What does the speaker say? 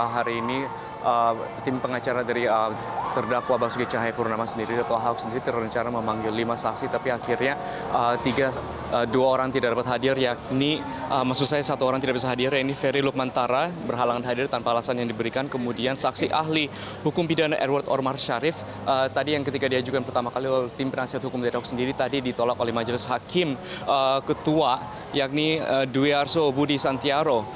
hakim ketua yakni dwi arso budi santiaro